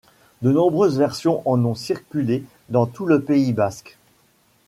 De nombreuses versions en ont circulé dans tout le Pays basque.